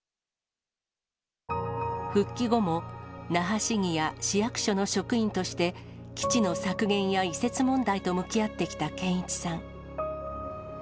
復帰後も那覇市議や市役所の職員として、基地の削減や移設問題と向き合ってきた健一さん。